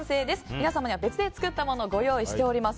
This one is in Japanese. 皆様には別で作ったものをご用意しております。